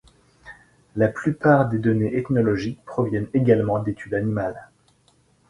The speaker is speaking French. La plupart des données éthologiques proviennent également d'études animales.